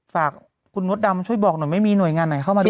ฝากคุณมดดำช่วยบอกหน่อยไม่มีหน่วยงานไหนเข้ามาดู